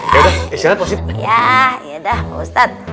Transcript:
yaa yaa dah pak ustadz